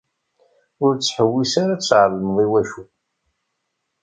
Ur ttḥewwis ara ad tɛelmeḍ iwacu.